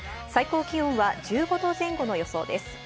最高気温は１５度前後の予想です。